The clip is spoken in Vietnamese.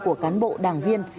của cán bộ đảng viên